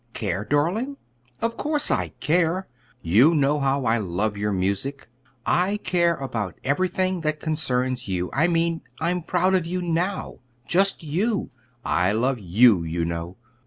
"Care, darling? of course I care! You know how I love your music. I care about everything that concerns you. I meant that I'm proud of you now just you. I love you, you know."